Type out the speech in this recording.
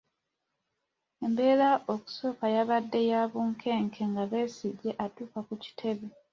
Embeera okusooka yabadde ya bunkenke nga Besigye atuuka ku kitebe.